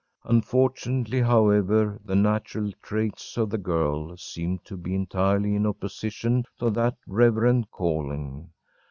Unfortunately, however, the natural traits of the girl seemed to be entirely in opposition to that reverend calling.